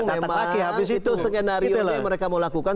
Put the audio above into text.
memang itu skenario yang mereka mau lakukan